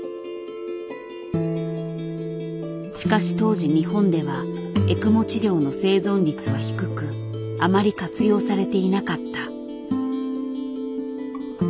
しかし当時日本ではエクモ治療の生存率は低くあまり活用されていなかった。